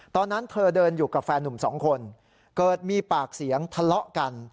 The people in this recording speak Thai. ตอนนั้นเธอเดินอยู่กับแฟนหนุ่มสองคนเกิดมีปากเสียงทะเลาะกัน